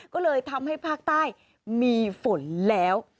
ก็เลยทำให้ภาคใต้มีฝนแล้ว